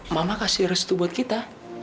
mama kasih restu buat kita